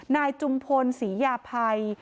นายจุมพลศรียาภัย